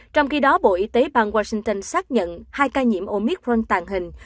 trong khi đó bộ y tế bang washington xác nhận hai ca nhiễm omicron tàn hình